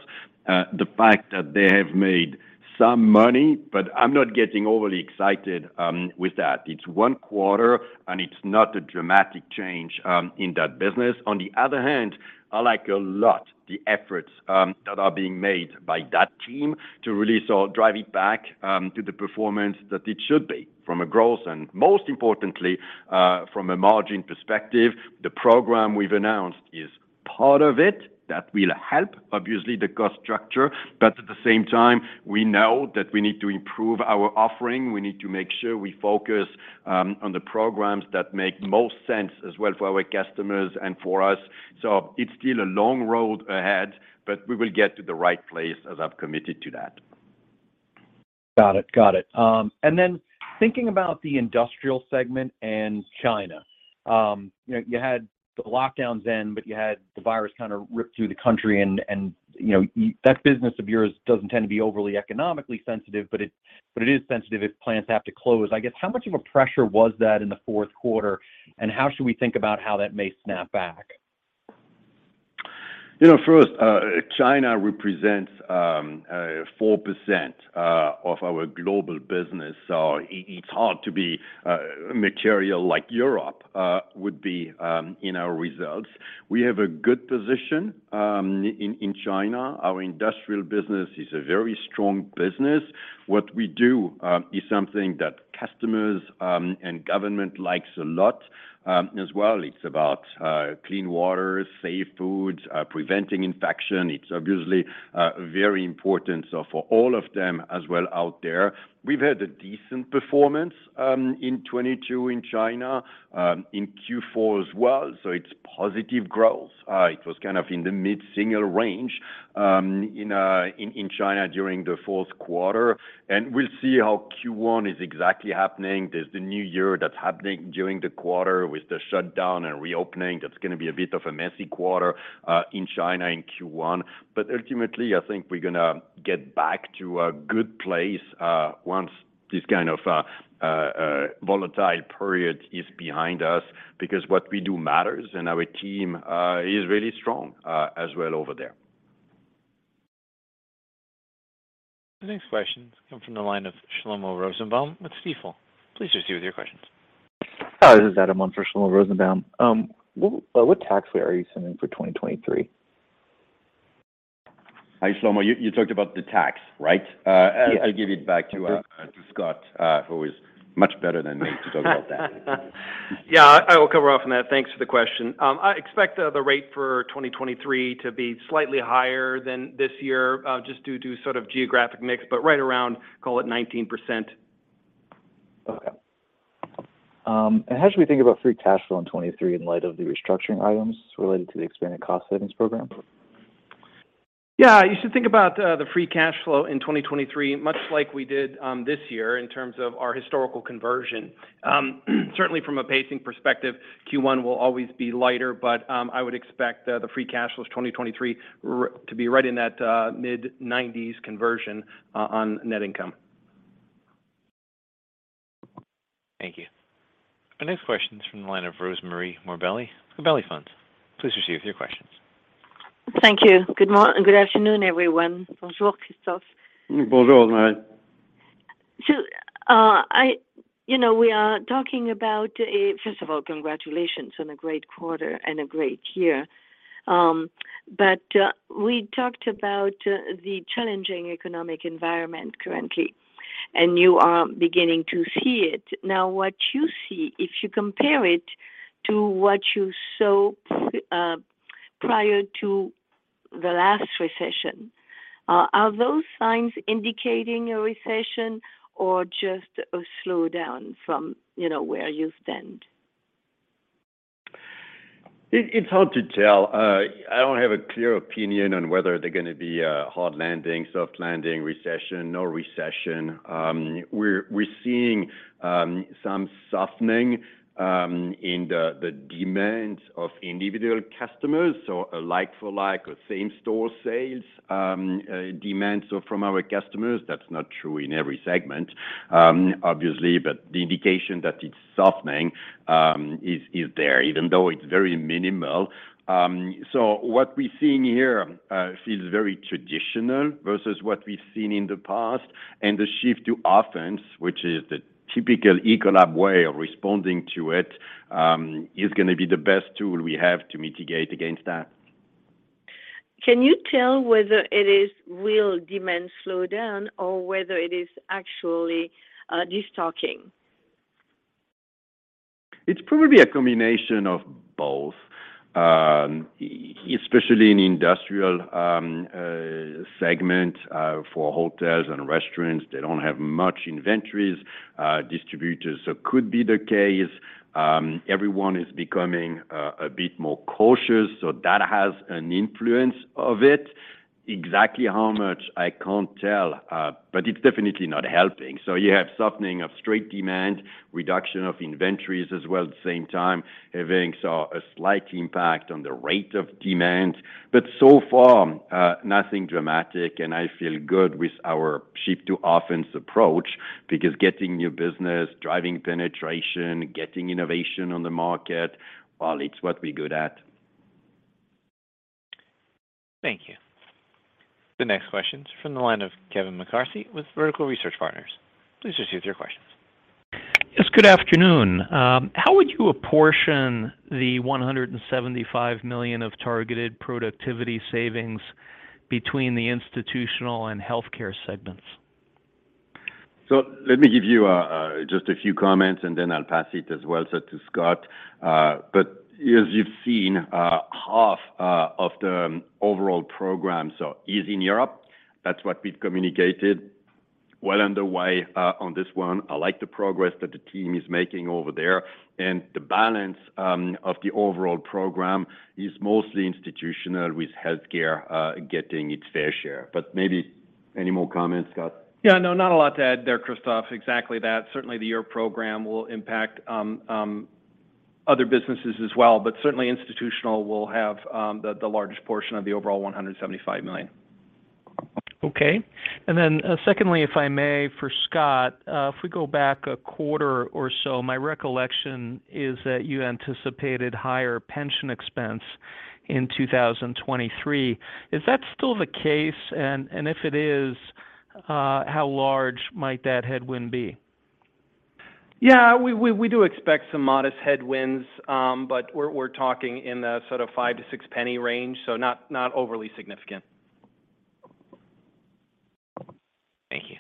the fact that they have made some money, but I'm not getting overly excited with that. It's one quarter, and it's not a dramatic change in that business. On the other hand, I like a lot the efforts, that are being made by that team to really sort of drive it back, to the performance that it should be from a growth and, most importantly, from a margin perspective. The program we've announced is part of it. That will help obviously the cost structure, but at the same time we know that we need to improve our offering. We need to make sure we focus, on the programs that make most sense as well for our customers and for us. It's still a long road ahead, but we will get to the right place as I've committed to that. Got it. Got it. Thinking about the industrial segment and China, you know, you had the lockdowns end. You had the virus kind of rip through the country and, you know, that business of yours doesn't tend to be overly economically sensitive. It is sensitive if plants have to close. I guess, how much of a pressure was that in the fourth quarter? How should we think about how that may snap back? You know, first, China represents 4% of our global business, so it's hard to be material like Europe would be in our results. We have a good position in China. Our industrial business is a very strong business. What we do is something that customers and government likes a lot as well. It's about clean water, safe foods, preventing infection. It's obviously very important, so for all of them as well out there. We've had a decent performance in 2022 in China in Q4 as well, so it's positive growth. It was kind of in the mid-single range in China during the fourth quarter. We'll see how Q1 is exactly happening. There's the new year that's happening during the quarter with the shutdown and reopening. That's gonna be a bit of a messy quarter in China in Q1. Ultimately, I think we're gonna get back to a good place once this kind of volatile period is behind us because what we do matters, and our team is really strong as well over there. The next question comes from the line of Shlomo Rosenbaum with Stifel. Please proceed with your questions. Hi, this is Adam Morgens for Shlomo Rosenbaum. What tax rate are you assuming for 2023? Hi, Shlomo. You talked about the tax, right? Yes. I'll give it back to Scott, who is much better than me to talk about that. Yeah, I will cover off on that. Thanks for the question. I expect the rate for 2023 to be slightly higher than this year, just due to sort of geographic mix, but right around, call it 19%. Okay. How should we think about free cash flow in 2023 in light of the restructuring items related to the expanded cost savings program? You should think about the free cash flow in 2023 much like we did this year in terms of our historical conversion. Certainly from a pacing perspective, Q1 will always be lighter, but I would expect the free cash flow of 2023 to be right in that mid-90s% conversion on net income. Thank you. Our next question's from the line of Rosemarie Morbelli, Gabelli Funds. Please proceed with your questions. Thank you. Good afternoon, everyone. Bonjour, Christophe. Bonjour, Marie. You know, we are talking about First of all, congratulations on a great quarter and a great year. we talked about the challenging economic environment currently, and you are beginning to see it. Now, what you see, if you compare it to what you saw prior to the last recession, are those signs indicating a recession or just a slowdown from, you know, where you stand? It's hard to tell. I don't have a clear opinion on whether they're gonna be a hard landing, soft landing, recession, no recession. we're seeing some softening in the demand of individual customers, so a like for like or same store sales demand, so from our customers. That's not true in every segment, obviously, but the indication that it's softening, is there, even though it's very minimal. What we're seeing here, feels very traditional versus what we've seen in the past. The shift to offense, which is the typical Ecolab way of responding to it, is gonna be the best tool we have to mitigate against that. Can you tell whether it is real demand slowdown or whether it is actually de-stocking? It's probably a combination of both. Especially in industrial segment, for hotels and restaurants, they don't have much inventories, distributors. Could be the case. Everyone is becoming a bit more cautious, so that has an influence of it. Exactly how much, I can't tell, but it's definitely not helping. You have softening of straight demand, reduction of inventories as well at the same time, having saw a slight impact on the rate of demand. So far, nothing dramatic, and I feel good with our shift to offense approach, because getting new business, driving penetration, getting innovation on the market, well, it's what we're good at. Thank you. The next question is from the line of Kevin McCarthy with Vertical Research Partners. Please proceed with your questions. Yes, good afternoon. How would you apportion the $175 million of targeted productivity savings between the institutional and healthcare segments? Let me give you just a few comments, and then I'll pass it as well to Scott. As you've seen, half of the overall program is in Europe. That's what we've communicated well underway on this one. I like the progress that the team is making over there. The balance of the overall program is mostly institutional with healthcare getting its fair share. Maybe any more comments, Scott? Yeah, no, not a lot to add there, Christophe. Exactly that. Certainly, the Europe program will impact other businesses as well, but certainly Institutional will have the largest portion of the overall $175 million. Okay. Secondly, if I may, for Scott, if we go back a quarter or so, my recollection is that you anticipated higher pension expense in 2023. Is that still the case? If it is, how large might that headwind be? We do expect some modest headwinds, we're talking in the sort of $0.05-$0.06 range, not overly significant. Thank you.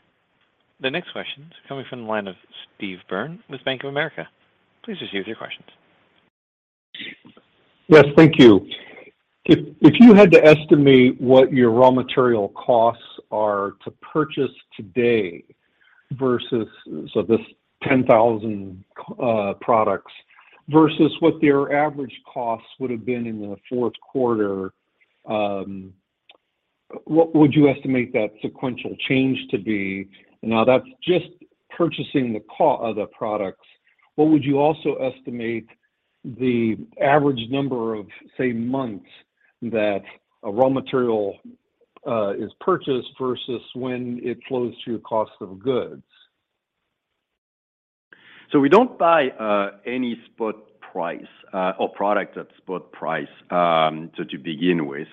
The next question is coming from the line of Steve Byrne with Bank of America. Please proceed with your questions. Yes, thank you. If you had to estimate what your raw material costs are to purchase today versus this 10,000 products versus what their average costs would have been in the fourth quarter, what would you estimate that sequential change to be? That's just purchasing the products. What would you also estimate the average number of, say, months that a raw material is purchased versus when it flows through cost of goods? We don't buy any spot price or product at spot price, so to begin with.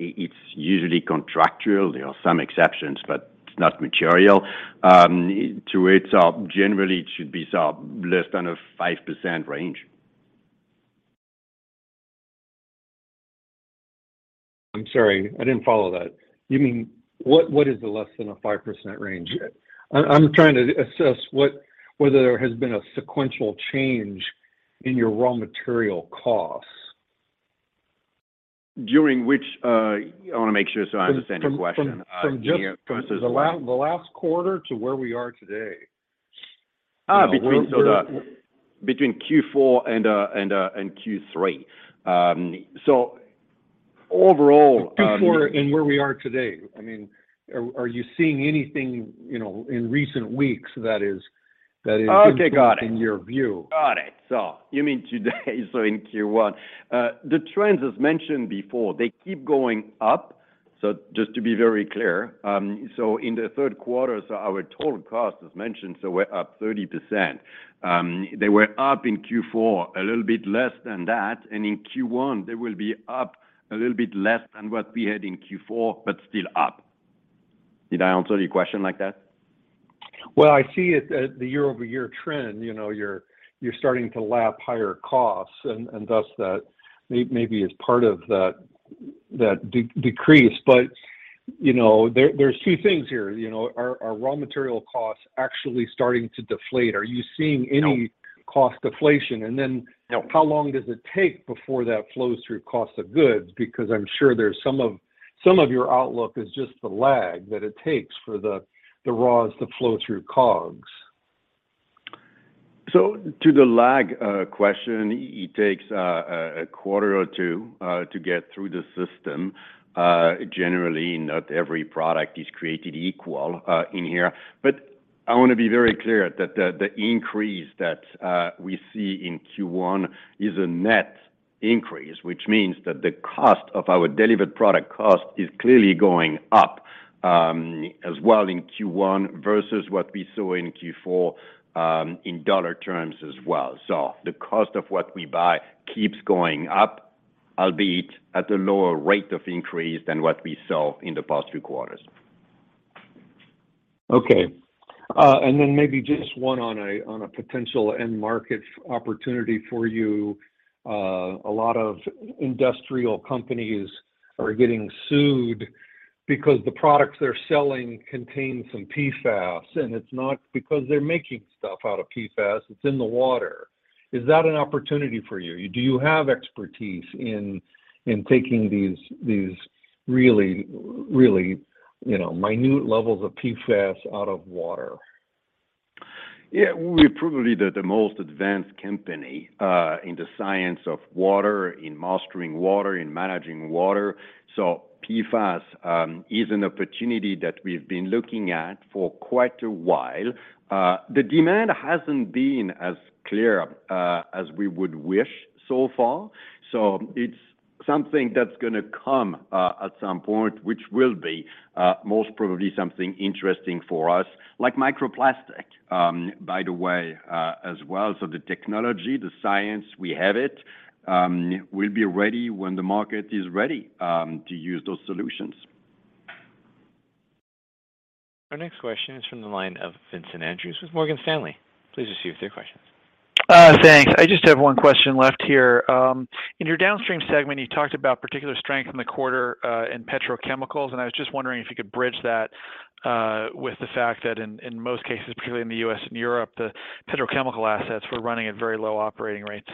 It's usually contractual. There are some exceptions, but it's not material. To it, generally it should be less than a 5% range. I'm sorry, I didn't follow that. You mean, what is the less than a 5% range? I'm trying to assess whether there has been a sequential change in your raw material costs. During which? I wanna make sure, so I understand your question. From Yeah. Versus The last quarter to where we are today. between We're, we're- Between Q4 and Q3. overall, Q4 and where we are today. I mean, are you seeing anything, you know, in recent weeks that is, that is- Okay, got it. ...in your view? Got it. You mean today, in Q1. The trends, as mentioned before, they keep going up. Just to be very clear, in the third quarter, our total cost, as mentioned, we're up 30%. They were up in Q4 a little bit less than that, and in Q1, they will be up a little bit less than what we had in Q4, but still up. Did I answer your question like that? Well, I see it that the year-over-year trend, you know, you're starting to lap higher costs and thus that maybe is part of that decrease. You know, there's two things here. You know, are raw material costs actually starting to deflate? Are you seeing any- No ...cost deflation? No ...how long does it take before that flows through cost of goods? I'm sure there's some of your outlook is just the lag that it takes for the raws to flow through COGS. To the lag question, it takes a quarter or two to get through the system. Generally, not every product is created equal in here. I wanna be very clear that the increase that we see in Q1 is a net increase, which means that the cost of our delivered product cost is clearly going up as well in Q1 versus what we saw in Q4 in dollar terms as well. The cost of what we buy keeps going up, albeit at a lower rate of increase than what we saw in the past two quarters. Okay. Then maybe just one on a potential end market opportunity for you. A lot of industrial companies are getting sued. The products they're selling contain some PFAS, and it's not because they're making stuff out of PFAS, it's in the water. Is that an opportunity for you? Do you have expertise in taking these really, really, you know, minute levels of PFAS out of water? Yeah. We're probably the most advanced company in the science of water, in mastering water, in managing water. PFAS is an opportunity that we've been looking at for quite a while. The demand hasn't been as clear as we would wish so far, so it's something that's gonna come at some point, which will be most probably something interesting for us. Like microplastic, by the way, as well. The technology, the science, we have it. We'll be ready when the market is ready to use those solutions. Our next question is from the line of Vincent Andrews with Morgan Stanley. Please proceed with your questions. Thanks. I just have 1 question left here. In your downstream segment, you talked about particular strength in the quarter, in petrochemicals. I was just wondering if you could bridge that, with the fact that in most cases, particularly in the U.S. and Europe, the petrochemical assets were running at very low operating rates?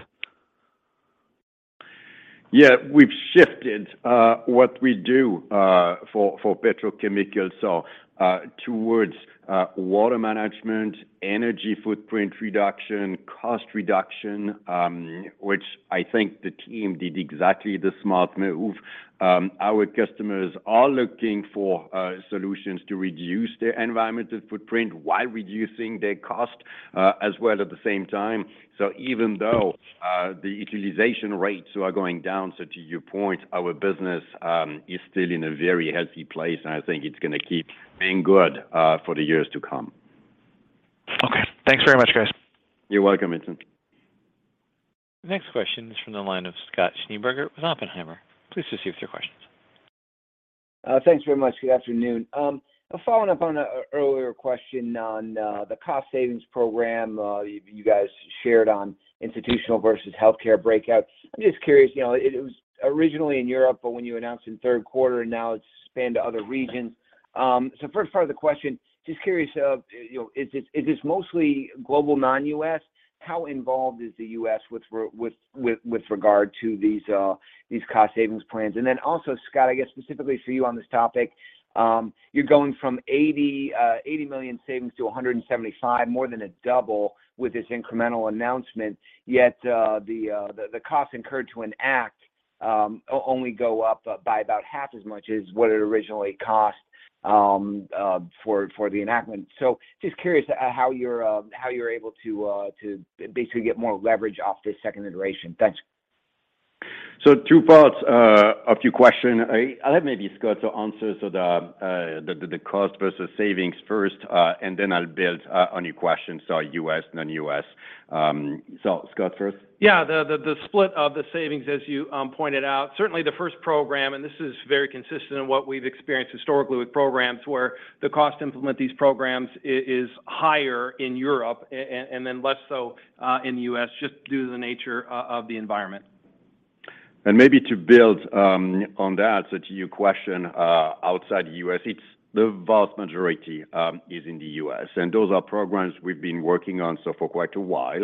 We've shifted what we do for petrochemicals towards water management, energy footprint reduction, cost reduction, which I think the team did exactly the smart move. Our customers are looking for solutions to reduce their environmental footprint while reducing their cost as well at the same time. Even though the utilization rates are going down, so to your point, our business is still in a very healthy place, and I think it's gonna keep being good for the years to come. Okay. Thanks very much, guys. You're welcome, Vincent. The next question is from the line of Scott Schneeberger with Oppenheimer. Please proceed with your questions. Thanks very much. Good afternoon. Following up on a earlier question on the cost savings program, you guys shared on institutional versus healthcare breakouts. I'm just curious, you know, it was originally in Europe, but when you announced in the third quarter, now it's spanned to other regions. First part of the question, just curious of, you know, is this mostly global non-U.S.? How involved is the U.S. with regard to these cost savings plans? Also, Scott, I guess specifically for you on this topic, you're going from $80 million savings to $175 million, more than a double with this incremental announcement, yet, the costs incurred to enact only go up by about half as much as what it originally cost for the enactment. Just curious how you're able to basically get more leverage off this second iteration? Thanks. Two parts of your question. I'll have maybe Scott to answer the cost versus savings first, and then I'll build on your question. U.S., non-U.S. Scott first. The split of the savings, as you pointed out, certainly the first program, and this is very consistent in what we've experienced historically with programs, where the cost to implement these programs is higher in Europe and then less so, in the U.S., just due to the nature of the environment. Maybe to build on that, to your question, outside the U.S., it's the vast majority is in the U.S., and those are programs we've been working on for quite a while.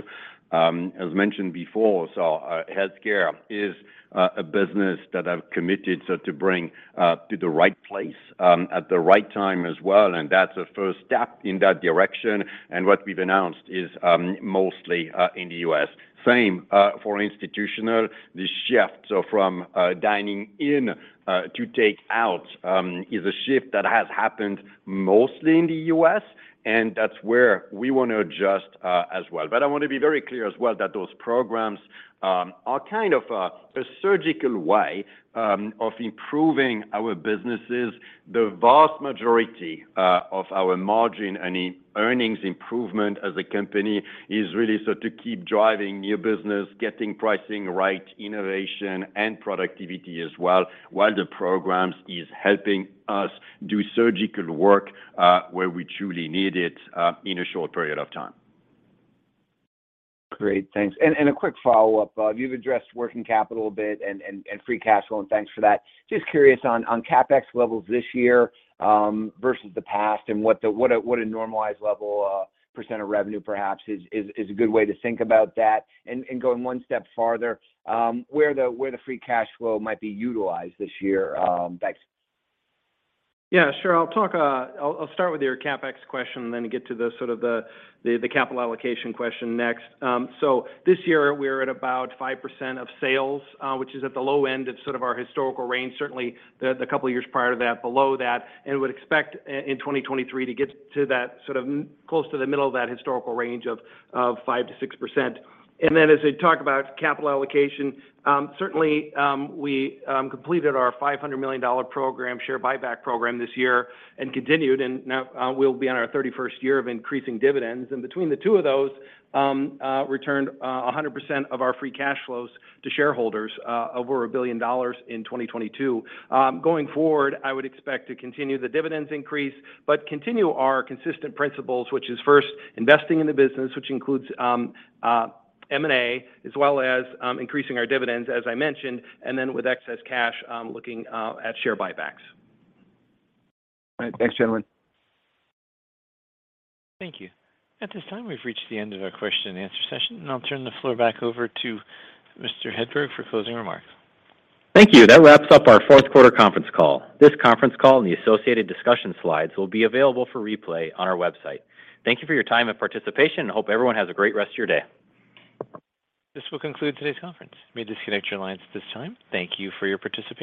As mentioned before, healthcare is a business that I've committed to bring to the right place at the right time as well, and that's a first step in that direction. What we've announced is mostly in the U.S. Same for institutional. The shift from dining in to take out is a shift that has happened mostly in the U.S, and that's where we wanna adjust as well. I wanna be very clear as well that those programs are kind of a surgical way of improving our businesses. The vast majority of our margin and earnings improvement as a company is really so to keep driving new business, getting pricing right, innovation, and productivity as well, while the programs is helping us do surgical work, where we truly need it, in a short period of time. Great. Thanks. A quick follow-up. You've addressed working capital a bit and free cash flow, and thanks for that. Just curious on CapEx levels this year versus the past and what a normalized level % of revenue perhaps is a good way to think about that. Going one step farther, where the free cash flow might be utilized this year. Thanks. Yeah, sure. I'll start with your CapEx question, get to the sort of the capital allocation question next. This year, we're at about 5% of sales, which is at the low end of sort of our historical range. Certainly, the couple of years prior to that, below that, would expect in 2023 to get to that sort of close to the middle of that historical range of 5%-6%. As I talk about capital allocation, certainly, we completed our $500 million program, share buyback program this year, continued, now we'll be on our 31st year of increasing dividends. Between the two of those, returned 100% of our free cash flows to shareholders, over $1 billion in 2022. Going forward, I would expect to continue the dividends increase, but continue our consistent principles, which is first investing in the business, which includes M&A, as well as increasing our dividends, as I mentioned. With excess cash, looking at share buybacks. All right. Thanks, gentlemen. Thank you. At this time, we've reached the end of our question and answer session. I'll turn the floor back over to Mr. Hedberg for closing remarks. Thank you. That wraps up our fourth quarter conference call. This conference call and the associated discussion slides will be available for replay on our website. Thank you for your time and participation and hope everyone has a great rest of your day. This will conclude today's conference. You may disconnect your lines at this time. Thank you for your participation.